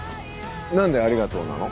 なんでありがとうなの？